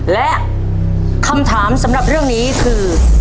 และคำถามสำหรับเรื่องนี้คือ